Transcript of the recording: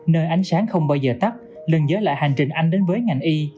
nơi ánh sáng không bao giờ tắt lần giới lại hành trình anh đến với ngành y